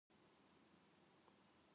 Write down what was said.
厚い